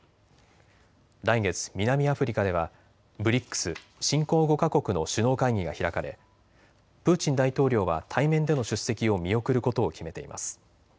来月、南アフリカではＢＲＩＣＳ・新興５か国の首脳会議が開かれプーチン大統領は対面での出席を見送ることを決めています。